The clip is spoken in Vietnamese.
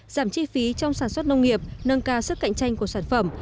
giảm chi phí trong sản xuất nông nghiệp nâng cao sức cạnh tranh của sản phẩm